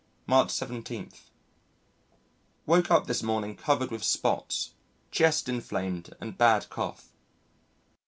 March 17. Woke up this morning covered with spots, chest inflamed, and bad cough.